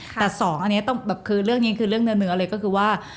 แต่สองอันนี้คือเรื่องเนื้อเลยก็คือว่า